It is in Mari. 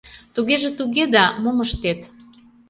— Тугеже туге да, мом ыштет...